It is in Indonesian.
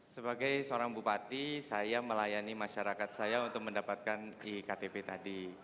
sebagai seorang bupati saya melayani masyarakat saya untuk mendapatkan iktp tadi